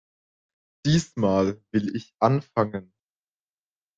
Diesmal will ich anfangen.